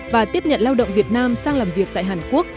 và tiếp nhận lao động việt nam sang làm việc tại hàn quốc